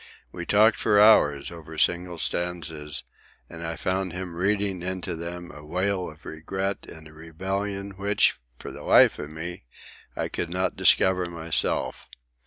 We talked for hours over single stanzas, and I found him reading into them a wail of regret and a rebellion which, for the life of me, I could not discover myself.